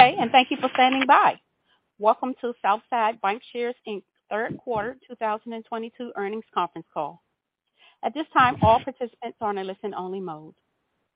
Good day, and thank you for standing by. Welcome to Southside Bancshares, Inc. third quarter 2022 earnings conference call. At this time, all participants are in a listen-only mode.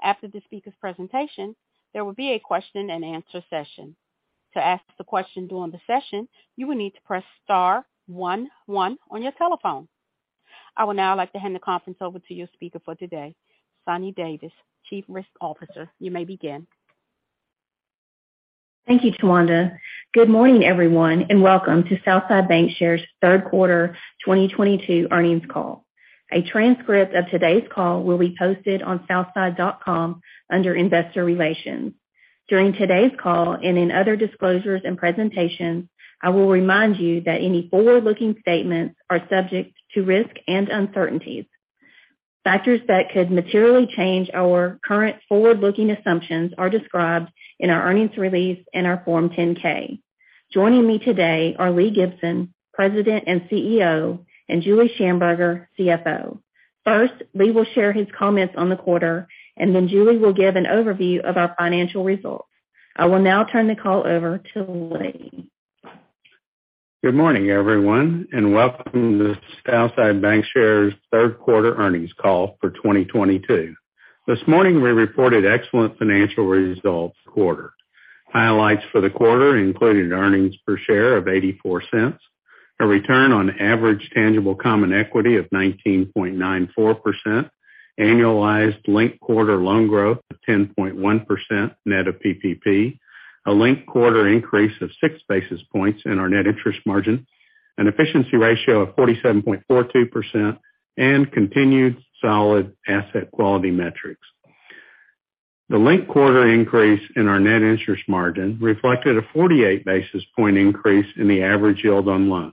After the speaker's presentation, there will be a question-and-answer session. To ask the question during the session. You will need to press star one one on your telephone. I would now like to hand the conference over to your speaker for today, Suni Davis, Chief Risk Officer. You may begin. Thank you, Tawanda. Good morning, everyone, and welcome to Southside Bancshares' third quarter 2022 earnings call. A transcript of today's call will be posted on southside.com under Investor Relations. During today's call and in other disclosures and presentations. I will remind you that any forward-looking statements are subject to risk and uncertainties. Factors that could materially change our current forward-looking assumptions are described in our earnings release and our Form 10K. Joining me today are Lee Gibson, President and CEO, and Julie Shamburger, CFO. First, Lee will share his comments on the quarter, and then Julie will give an overview of our financial results. I will now turn the call over to Lee. Good morning, everyone, and welcome to Southside Bancshares' third quarter earnings call for 2022. This morning, we reported excellent financial results this quarter. Highlights for the quarter included earnings per share of $0.84, a return on average tangible common equity of 19.94%, annualized linked quarter loan growth of 10.1% net of PPP a linked quarter increase of 6 basis points in our net interest margin an efficiency ratio of 47.42% and continued solid asset quality metrics. The linked quarter increase in our net interest margin reflected a 48 basis point increase in the average yield on loans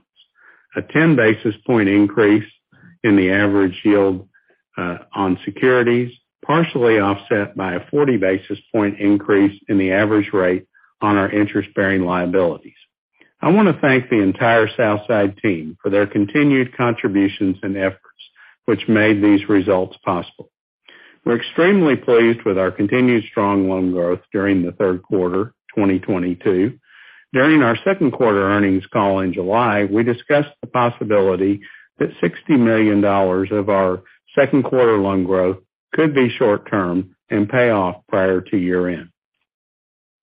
a 10 basis point increase in the average yield on securities. Partially offset by a 40 basis point increase in the average rate on our interest-bearing liabilities. I wanna thank the entire Southside team for their continued contributions and efforts, which made these results possible. We're extremely pleased with our continued strong loan growth during the third quarter 2022. During our second quarter earnings call in July, we discussed the possibility that $60 million of our second quarter loan growth could be short-term and pay off prior to year-end.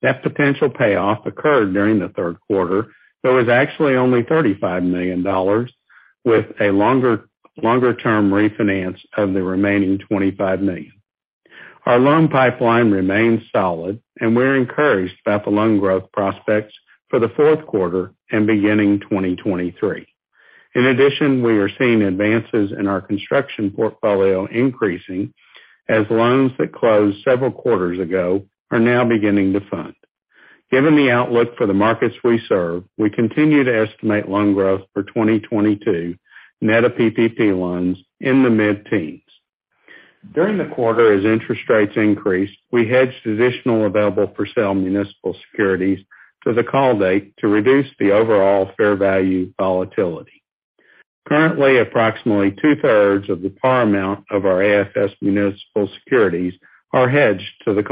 That potential payoff occurred during the third quarter. There was actually only $35 million with a longer-term refinance of the remaining $25 million. Our loan pipeline remains solid, and we're encouraged by the loan growth prospects for the fourth quarter and beginning 2023. In addition, we are seeing advances in our construction portfolio increasing as loans that closed several quarters ago are now beginning to fund. Given the outlook for the markets we serve, we continue to estimate loan growth for 2022, net of PPP loans in the mid-teens%. During the quarter, as interest rates increased, we hedged additional available-for-sale municipal securities to the call date to reduce the overall fair value volatility. Currently, approximately two-thirds of the par amount of our AFS municipal securities are hedged to the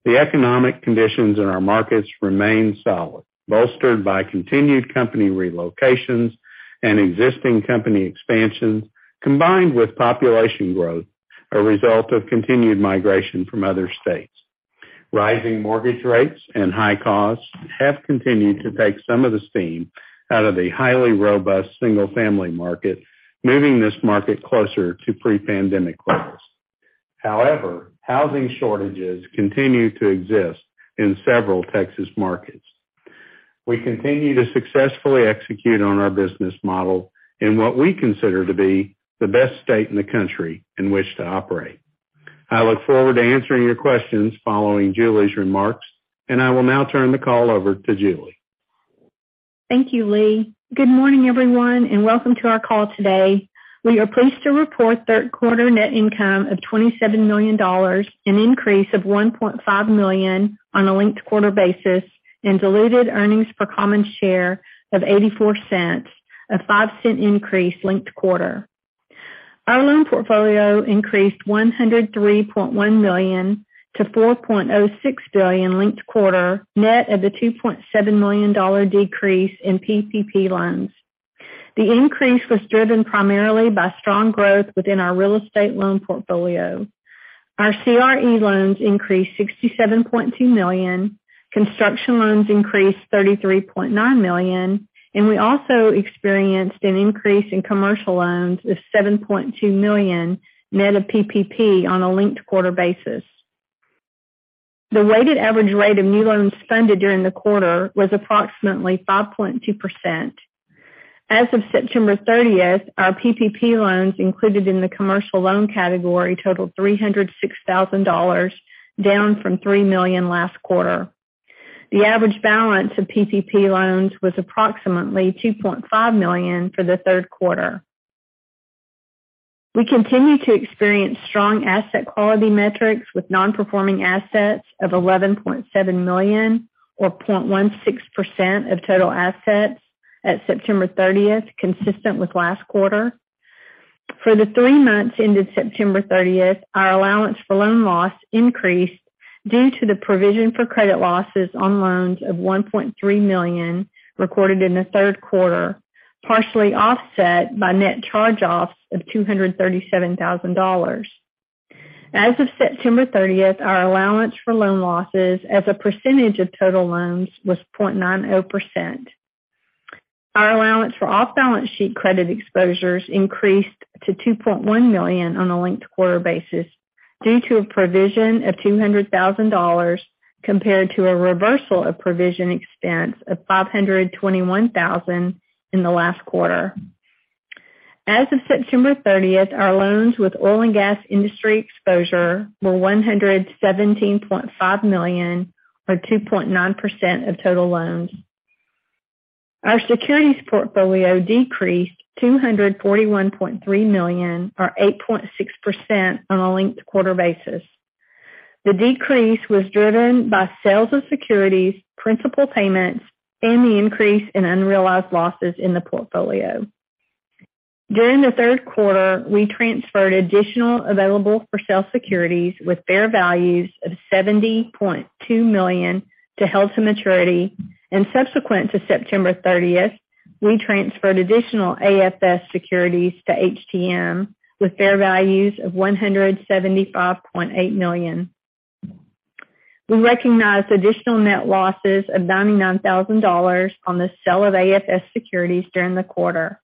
call date. The economic conditions in our markets remain solid, bolstered by continued company relocations and existing company expansions, combined with population growth a result of continued migration from other states. Rising mortgage rates and high costs have continued to take some of the steam out of the highly robust single-family market moving this market closer to pre-pandemic levels. However, housing shortages continue to exist in several Texas markets. We continue to successfully execute on our business model in what we consider to be the best state in the country in which to operate. I look forward to answering your questions following Julie's remarks, and I will now turn the call over to Julie. Thank you, Lee. Good morning, everyone, and welcome to our call today. We are pleased to report third quarter net income of $27 million, an increase of $1.5 million on a linked-quarter basis and diluted earnings per common share of $0.84, a $0.05 increase linked quarter. Our loan portfolio increased $103.1 million to $4.06 billion linked quarter, net of the $2.7 million decrease in PPP loans. The increase was driven primarily by strong growth within our real estate loan portfolio. Our CRE loans increased $67.2 million, construction loans increased $33.9 million, and we also experienced an increase in commercial loans of $7.2 million net of PPP on a linked-quarter basis. The weighted average rate of new loans funded during the quarter was approximately 5.2%. As of September 30, our PPP loans included in the commercial loan category totaled $306 thousand, down from $3 million last quarter. The average balance of PPP loans was approximately $2.5 million for the third quarter. We continue to experience strong asset quality metrics with non-performing assets of $11.7 million or 0.16% of total assets at September 30, consistent with last quarter. For the three months ended September 30, our allowance for loan loss increased due to the provision for credit losses on loans of $1.3 million recorded in the third quarter, partially offset by net charge-offs of $237 thousand. As of September 30, our allowance for loan losses as a percentage of total loans was 0.90%. Our allowance for off-balance-sheet credit exposures increased to $2.1 million on a linked-quarter basis due to a provision of $200,000 compared to a reversal of provision expense of $521,000 in the last quarter. As of September 30, our loans with oil and gas industry exposure were $117.5 million, or 2.9% of total loans. Our securities portfolio decreased to 141.3 million, or 8.6% on a linked-quarter basis. The decrease was driven by sales of securities, principal payments and the increase in unrealized losses in the portfolio. During the third quarter, we transferred additional available-for-sale securities with fair values of $70.2 million to held-to-maturity, and subsequent to September thirtieth, we transferred additional AFS securities to HTM with fair values of $175.8 million. We recognized additional net losses of $99,000 on the sale of AFS securities during the quarter.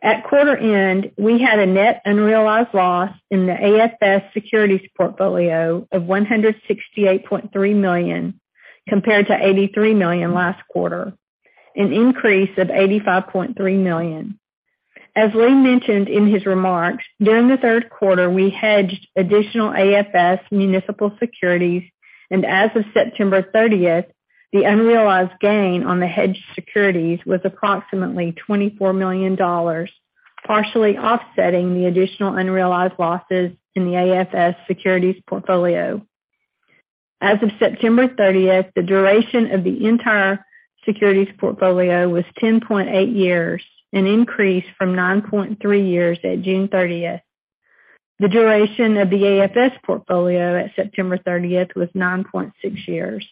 At quarter end, we had a net unrealized loss in the AFS securities portfolio of $168.3 million compared to $83 million last quarter, an increase of $85.3 million. As Lee mentioned in his remarks, during the third quarter, we hedged additional AFS municipal securities, and as of September thirtieth, the unrealized gain on the hedged securities was approximately $24 million, partially offsetting the additional unrealized losses in the AFS securities portfolio. As of September 30th, the duration of the entire securities portfolio was 10.8 years, an increase from 9.3 years at June 30th. The duration of the AFS portfolio at September 30th was 9.6 years.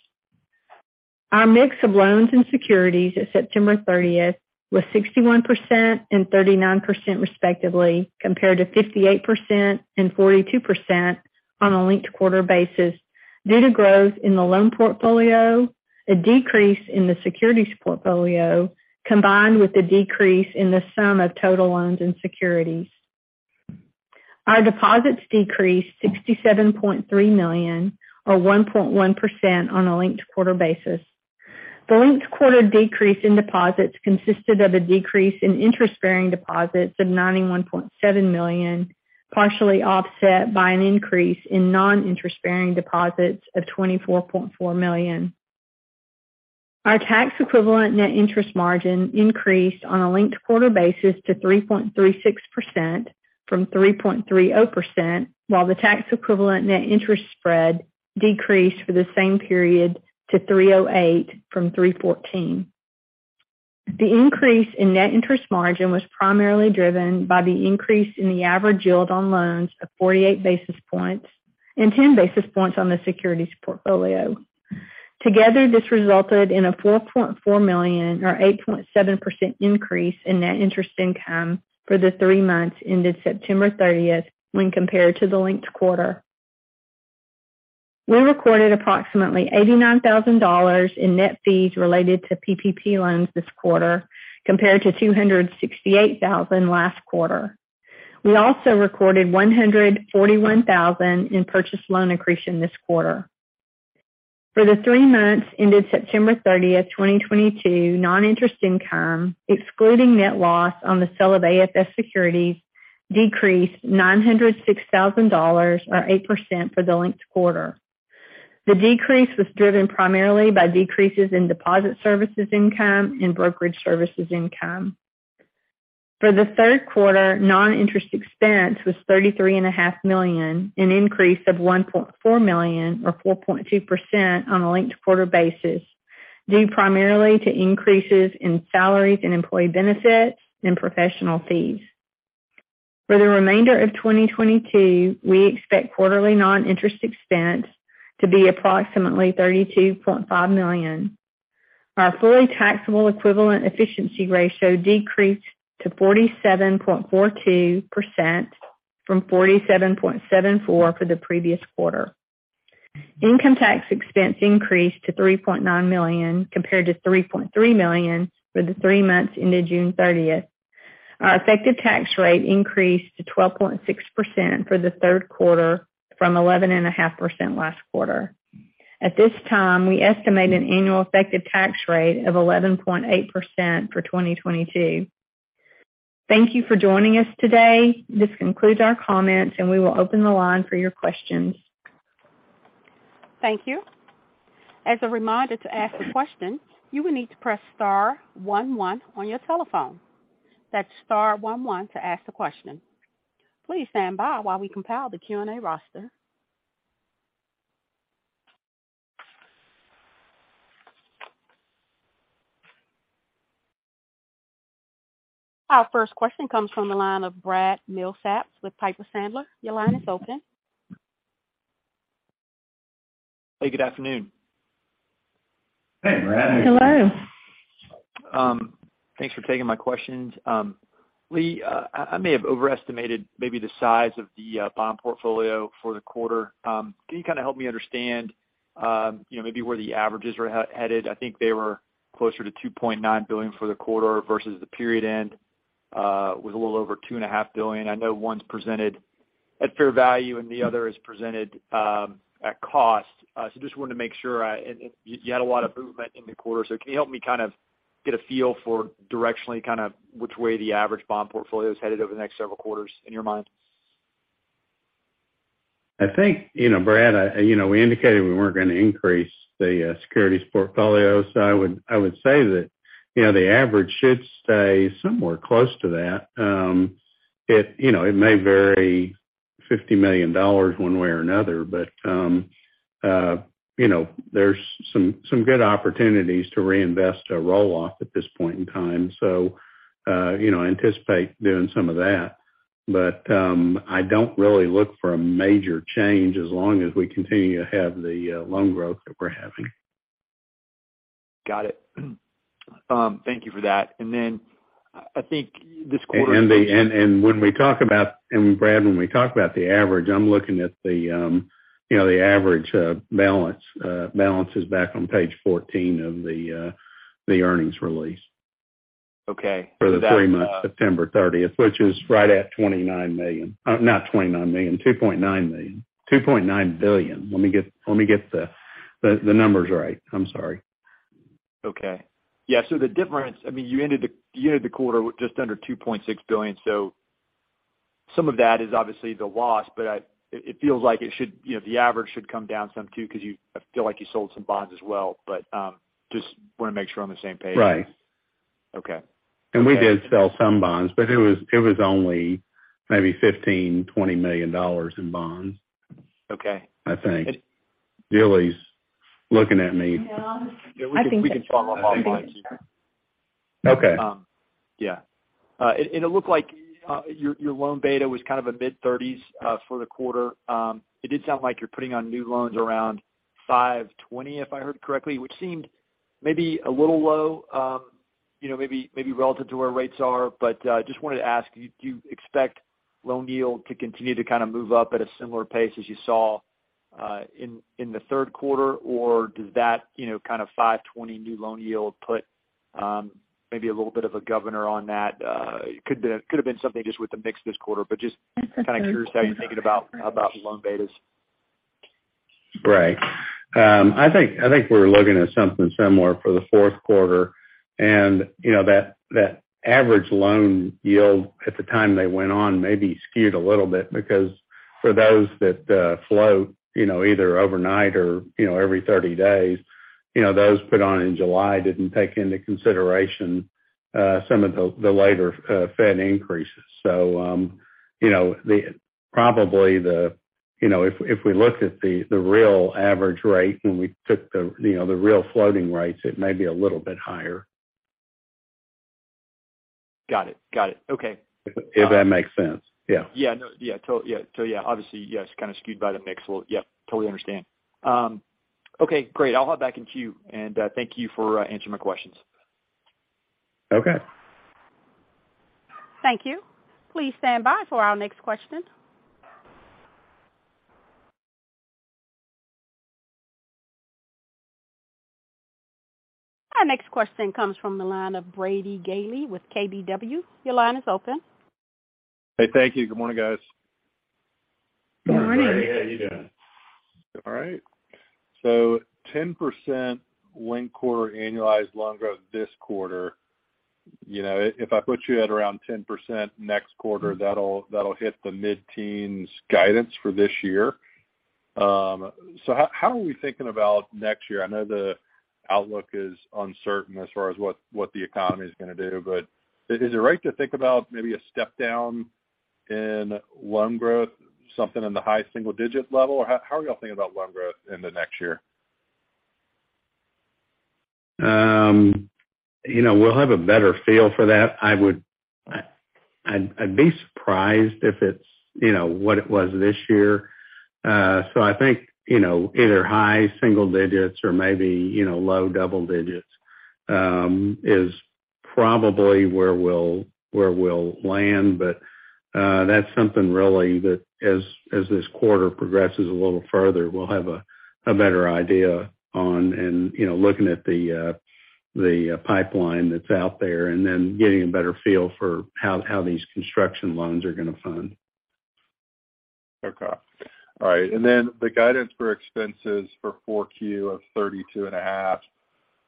Our mix of loans and securities at September 30th was 61% and 39% respectively, compared to 58% and 42% on a linked quarter basis due to growth in the loan portfolio, a decrease in the securities portfolio, combined with the decrease in the sum of total loans and securities. Our deposits decreased $67.3 million, or 1.1% on a linked quarter basis. The linked quarter decrease in deposits consisted of a decrease in interest-bearing deposits of $91.7 million, partially offset by an increase in non-interest-bearing deposits of $24.4 million. Our tax equivalent net interest margin increased on a linked quarter basis to 3.36% from 3.30%, while the tax equivalent net interest spread decreased for the same period to 308 from 314. The increase in net interest margin was primarily driven by the increase in the average yield on loans of 48 basis points and 10 basis points on the securities portfolio. Together, this resulted in a $4.4 million or 8.7% increase in net interest income for the three months ended September 30 when compared to the linked quarter. We recorded approximately $89,000 in net fees related to PPP loans this quarter compared to $268,000 last quarter. We also recorded $141,000 in purchase loan accretion this quarter. For the three months ended September 30, 2022, non-interest income, excluding net loss on the sale of AFS securities, decreased $906 thousand or 8% for the linked quarter. The decrease was driven primarily by decreases in deposit services income and brokerage services income. For the third quarter, non-interest expense was $33.5 million, an increase of $1.4 million or 4.2% on a linked quarter basis, due primarily to increases in salaries and employee benefits and professional fees. For the remainder of 2022, we expect quarterly non-interest expense to be approximately $32.5 million. Our fully taxable equivalent efficiency ratio decreased to 47.42% from 47.74% for the previous quarter. Income tax expense increased to $3.9 million compared to $3.3 million for the three months ended June 30th. Our effective tax rate increased to 12.6% for the third quarter from 11.5% last quarter. At this time, we estimate an annual effective tax rate of 11.8% for 2022. Thank you for joining us today. This concludes our comments, and we will open the line for your questions. Thank you. As a reminder to ask a question, you will need to press star one one on your telephone. That's star one one to ask a question. Please stand by while we compile the Q&A roster. Our first question comes from the line of Brad Milsaps with Piper Sandler. Your line is open. Hey, good afternoon. Hey, Brad. Hello. Thanks for taking my questions. Lee, I may have overestimated maybe the size of the bond portfolio for the quarter. Can you kinda help me understand, you know, maybe where the averages are headed? I think they were closer to $2.9 billion for the quarter versus the period-end was a little over $2.5 billion. I know one's presented at fair value and the other is presented at cost. You had a lot of movement in the quarter. Can you help me kind of get a feel for directionally kinda which way the average bond portfolio is headed over the next several quarters in your mind? I think, you know, Brad, you know, we indicated we weren't gonna increase the securities portfolio. I would say that, you know, the average should stay somewhere close to that. It may vary $50 million one way or another, but you know, there's some good opportunities to reinvest a roll-off at this point in time. You know, anticipate doing some of that. I don't really look for a major change as long as we continue to have the loan growth that we're having. Got it. Thank you for that. I think this quarter. Brad, when we talk about the average, I'm looking at the, you know, the average balances back on page 14 of the earnings release. Okay. For the three months, September thirtieth, which is right at $29 million. Not $29 million, $2.9 million. $2.9 billion. Let me get the numbers right. I'm sorry. The difference, I mean, you ended the quarter just under $2.6 billion. Some of that is obviously the loss, but it feels like it should, you know, the average should come down some too, 'cause I feel like you sold some bonds as well. Just wanna make sure I'm on the same page. Right. Okay. We did sell some bonds, but it was only maybe $15 million-$20 million in bonds. Okay. I think. Julie Shamburger's looking at me. Yeah. Yeah, we can follow up offline. It looked like your loan beta was kind of a mid-thirties for the quarter. It did sound like you're putting on new loans around 5.20, if I heard correctly, which seemed maybe a little low, you know, maybe relative to where rates are. Just wanted to ask, do you expect loan yield to continue to kinda move up at a similar pace as you saw in the third quarter? Or does that kind of 5.20 new loan yield put maybe a little bit of a governor on that? It could have been something just with the mix this quarter, but just kinda curious how you're thinking about loan betas. Right. I think we're looking at something similar for the fourth quarter. You know, that average loan yield at the time they went on may be skewed a little bit because for those that float, you know, either overnight or, you know, every 30 days, you know, those put on in July didn't take into consideration some of the later Fed increases. You know, probably if we looked at the real average rate and we took the real floating rates it may be a little bit higher. Got it. Okay. If that makes sense. Yeah. Yeah, no. Obviously, yes, kind of skewed by the mix. Yep, totally understand. Okay, great. I'll hop back in queue. Thank you for answering my questions. Okay. Thank you. Please stand by for our next question. Our next question comes from the line of Brady Gailey with KBW. Your line is open. Hey, thank you. Good morning, guys. Good morning. Hey, Brady. How are you doing? All right. Ten percent linked-quarter annualized loan growth this quarter. You know, if I put you at around 10% next quarter, that'll hit the mid-teens guidance for this year. How are we thinking about next year? I know the outlook is uncertain as far as what the economy's gonna do, but is it right to think about maybe a step down in loan growth, something in the high single-digit level? How are y'all thinking about loan growth in the next year? You know, we'll have a better feel for that. I'd be surprised if it's, you know, what it was this year. I think, you know, either high single digits or maybe, you know, low double digits is probably where we'll land. That's something really that as this quarter progresses a little further, we'll have a better idea on and, you know, looking at the pipeline that's out there, and then getting a better feel for how these construction loans are gonna fund. Okay. All right. Then the guidance for expenses for 4Q of 32.5,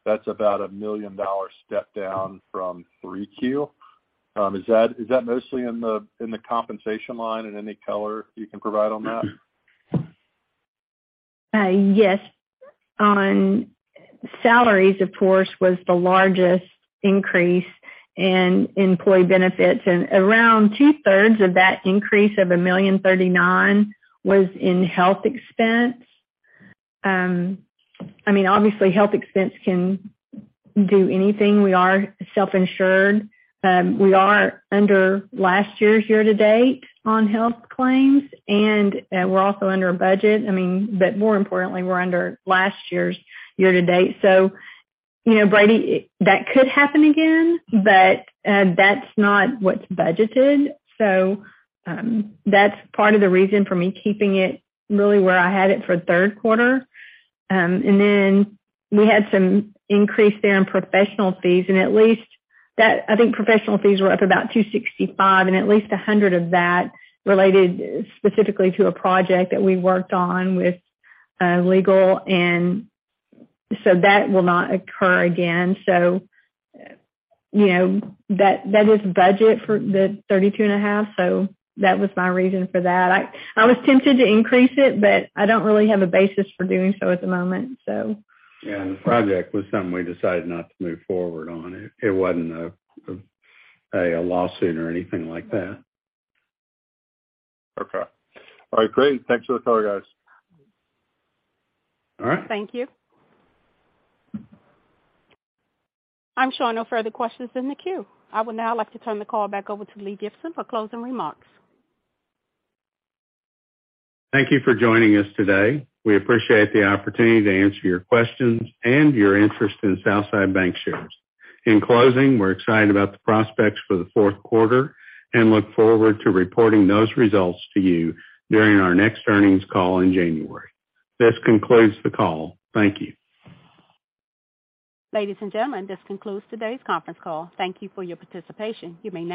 that's about a $1 million step down from 3Q. Is that mostly in the compensation line? Any color you can provide on that? Yes. On salaries, of course, was the largest increase in employee benefits. Around two-thirds of that increase of $1.039 million was in health expense. I mean, obviously, health expense can do anything. We are self-insured. We are under last year's year-to-date on health claims, and we're also under budget. I mean, but more importantly, we're under last year's year-to-date. You know, Brady, that could happen again, but that's not what's budgeted. That's part of the reason for me keeping it really where I had it for third quarter. We had some increase there in professional fees and at least that. I think professional fees were up about $265 and at least $100 of that related specifically to a project that we worked on with legal. That will not occur again. You know, that is budget for the 32.5, so that was my reason for that. I was tempted to increase it. But I don't really have a basis for doing so at the moment, so. Yeah. The project was something we decided not to move forward on. It wasn't a lawsuit or anything like that. Okay. All right, great. Thanks for the color, guys. All right. Thank you. I'm showing no further questions in the queue. I would now like to turn the call back over to Lee Gibson for closing remarks. Thank you for joining us today. We appreciate the opportunity to answer your questions and your interest in Southside Bancshares. In closing, we're excited about the prospects for the fourth quarter and look forward to reporting those results to you during our next earnings call in January. This concludes the call. Thank you. Ladies and gentlemen, this concludes today's conference call. Thank you for your participation. You may now disconnect.